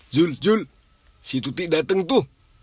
jul jul si tuti dateng tuh